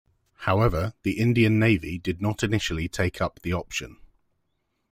However, the Indian Navy did not initially take up the option.